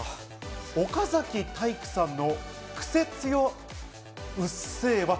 岡崎体育さんのクセ強『うっせぇわ』。